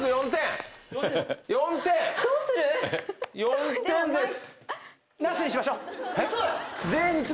４点です。